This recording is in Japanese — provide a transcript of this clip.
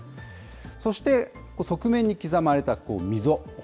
そして側面に刻まれた溝。